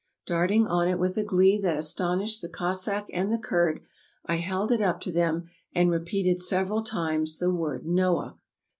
Dart ing on it with a glee that astonished the Cossack and the Kurd I held it up to them, and repeated several times the word "Noah."